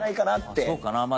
そうかな。